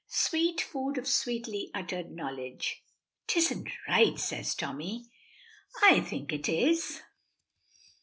"Sweet food of sweetly uttered knowledge." "Tisn't right," says Tommy. "I think it is.